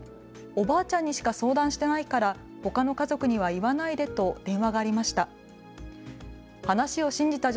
おばあちゃんにしか相談してないからほかの家族には言わないでと電話がありました。